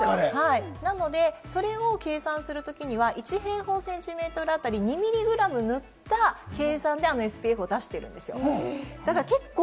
なので、それを計算するときには、１平方センチメートルあたり、２ミリグラム塗った計算であのＳＰＦを出しているんですよ。